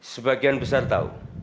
sebagian besar tahu